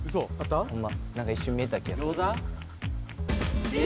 ホンマ何か一瞬見えた気がするええ！